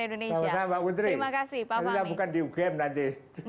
nanti dia bukan di ugm nanti